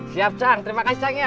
siap cahang terima kasih cang ya